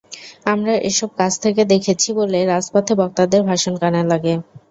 আমরা এসব কাছে থেকে দেখেছি বলে রাজপথে বক্তাদের ভাষণ কানে লাগে।